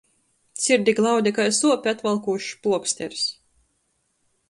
Sirdi glaude kai suopi atvalkūšs pluoksters.